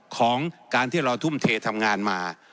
ของการที่เราทุ่มเททำงานมา